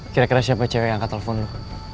kira kira siapa cewek yang angkat telpon lo